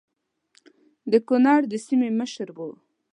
د کنړ د سیمې مشر وو.